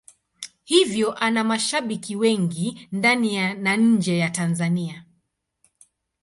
Hivyo ana mashabiki wengi ndani na nje ya Tanzania.